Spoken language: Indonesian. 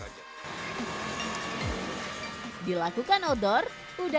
biasanya untuk pemula itu berfokus pada form yang benar dulu saja